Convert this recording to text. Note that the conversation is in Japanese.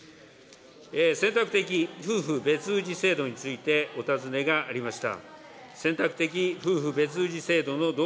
選択的夫婦別氏制度のお尋ねがありました。